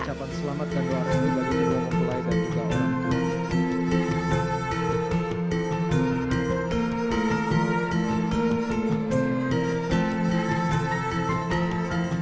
ah tuntun ototan dah tdk pau landscapes yang selalu vsck di petersburg